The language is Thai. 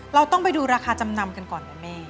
เราต้องไปดูราคาจำนำกันก่อนนะแม่